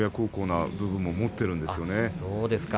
親孝行な部分を持っているんですよね。